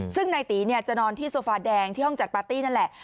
ซึ่งนายตีจะนอนที่โซฟาแดงที่ห้องจัดปาร์ตี้นั่นแหละ